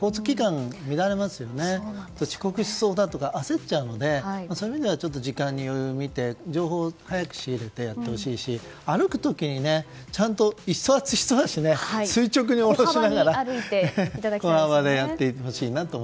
そうすると遅刻しそうだとか焦っちゃうのでそういう意味では時間に余裕を見て情報を早く仕入れてやってほしいし歩く時に、ちゃんと一足一足垂直に下ろしながら小幅でやっていってほしいなと。